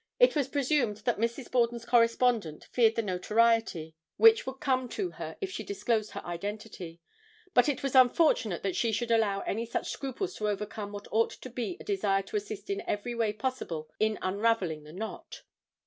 It was presumed that Mrs. Borden's correspondent feared the notoriety which would come to her if she disclosed her identity, but it was unfortunate that she should allow any such scruples to overcome what ought to be a desire to assist in every way possible in unravelling the knot.